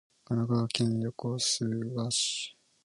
神奈川県横須賀市